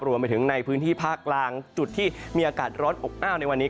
รวมไปถึงในพื้นที่ภาคล่างจุดที่มีอากาศร้อนอกหน้าวในวันนี้